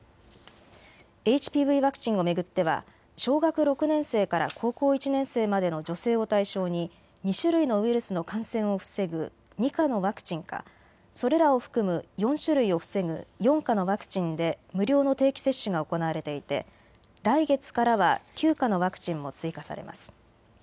ＨＰＶワクチンを巡っては小学６年生から高校１年生までの女性を対象に２種類のウイルスの感染を防ぐ２価のワクチンか、それらを含む４種類を防ぐ４価のワクチンで無料の定期接種が行われていて来月からは９価のワクチンも追加されます。